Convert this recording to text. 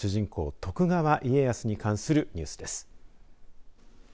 徳川家康に関するニュースです。